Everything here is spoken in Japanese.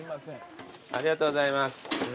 ありがとうございます。